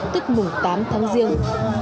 tức mùng tám tháng riêng